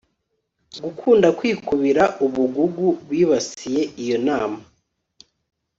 gukunda kwikubira, ubugugu bibasiye iyo nama